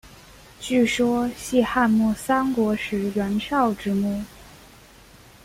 据说系汉末三国时袁绍之墓。